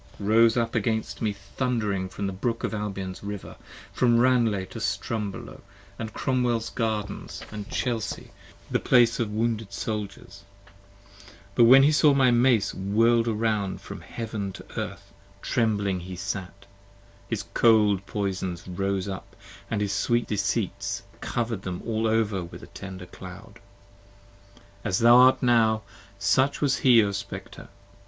8 ROSE up against me thundering from the Brook of Albion's River, From Ranelagh & Strumbolo, from Cromwell's gardens & Chelsea 5 The place of wounded Soldiers; but when he saw my Mace Whirl'd round from heaven to earth, trembling he sat: his cold 5 Poisons rose up: & his sweet deceits cover'd them all over With a tender cloud. As thou art now, such was he O Spectre.